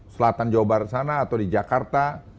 selatan jawa barat sana atau di jakarta